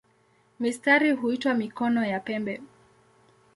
Mistari huitwa "mikono" ya pembe.